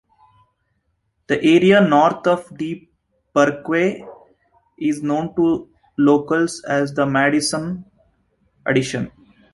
The area north of D Parkway is known to locals as the "Madison Addition".